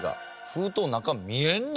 封筒の中身見えんの？